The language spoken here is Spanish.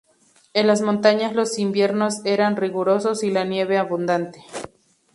En las montañas los inviernos eran rigurosos y la nieve abundante.